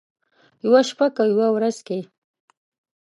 یوه شپه که یوه ورځ کې،